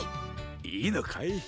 いいのかい？